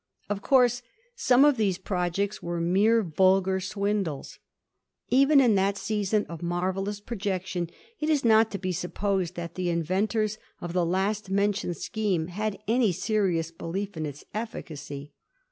Of course some of these projects were mere vulgar swindles. Even in that season of marvellous projection it is not to be supposed that the inventors of the last mentioned scheme had any serious belief in its efficacy.